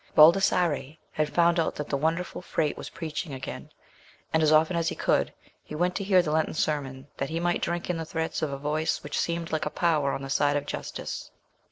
Baldassarre had found out that the wonderful Frate was preaching again, and as often as he could, he went to hear the Lenten sermon, that he might drink in the threats of a voice which seemed like a power on the side of justice.